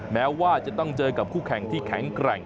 แม้ว่าจะต้องเจอกับคู่แข่งที่แข็งแกร่ง